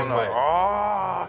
ああ。